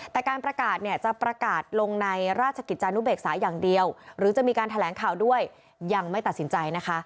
แต่การประกาศเนี่ยจะประกาศลงในราชกิจจานุเบกษาอย่างเดียวหรือจะมีการแถลงข่าวด้วยยังไม่ตัดสินใจนะคะ